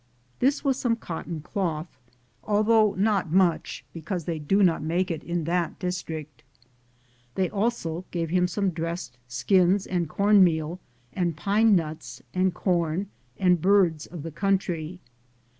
This was some cotton cloth, although not much, because they do not make it in that district. They also gave him some dressed skins and corn meal, and pine nuts and corn and birds of the country.